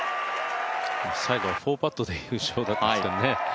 最後は４パットで優勝でしたからね。